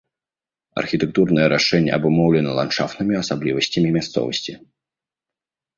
Архітэктурнае рашэнне абумоўлена ландшафтнымі асаблівасцямі мясцовасці.